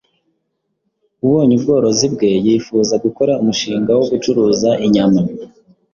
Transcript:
Ubonye ubworozi bwe yifuza gukora umushinga wo gucuruza inyama